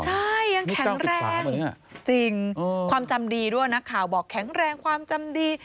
ใช่ยังแข็งแรงจริงความจำดีด้วยนักข่าวบอกแข็งแรงความจำดี